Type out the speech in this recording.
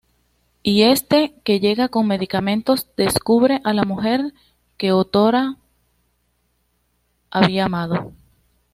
Y este, que llega con medicamentos, descubre a la mujer que otrora había amado.